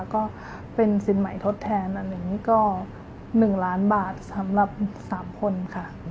ก็เป็นสินใหม่ทดแทนอะไรอย่างนี้ก็๑ล้านบาทสำหรับ๓คนค่ะ